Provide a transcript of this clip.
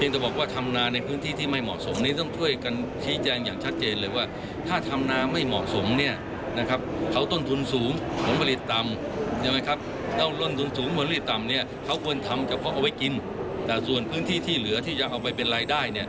ส่วนสูงส่วนเร็วต่ำเขาควรทำก็เอาไว้กินแต่ส่วนพื้นที่ที่เหลือที่อยากจะเอาไปเป็นรายได้